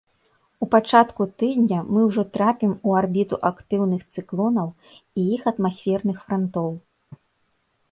У пачатку тыдня мы ўжо трапім у арбіту актыўных цыклонаў і іх атмасферных франтоў.